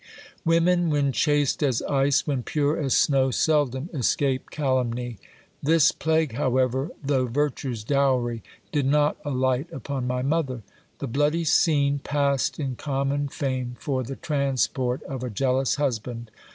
Women, when chaste as ice, when pure as snow, seldom escape calumny : this plague, however, though virtue's dowry, did not alight upon my mother. The bloody scene passed in common fame for the transport of a jealous hus band.